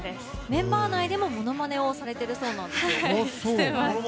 メンバー内でも、ものまねをされているそうですね。